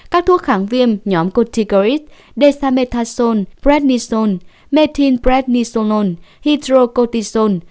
các thuốc kháng viêm nhóm corticoid desamethasone prednisone methylprednisolone hydrocortisone